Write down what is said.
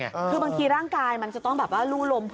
คือบางทีร่างกายมันจะต้องลู่ลม